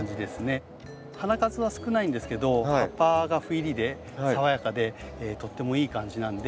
花数は少ないんですけど葉っぱが斑入りで爽やかでとってもいい感じなんで。